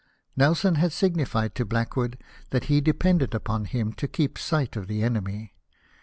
Nelson had signified to Blackwood that he depended upon him to keep sight of the enemy.